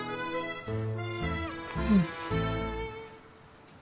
うん。